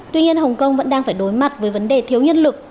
tuy nhiên hồng kông vẫn đang phải đối mặt với vấn đề thiếu nhân lực